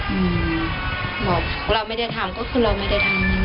อืมบอกเราไม่ได้ทำก็คือเราไม่ได้ทำ